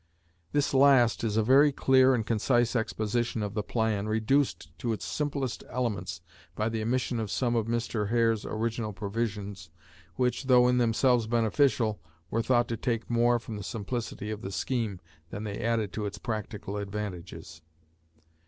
This last is a very clear and concise exposition of the plan, reduced to its simplest elements by the omission of some of Mr. Hare's original provisions, which, though in themselves beneficial, we're thought to take more from the simplicity of the scheme than they added to its practical advantages.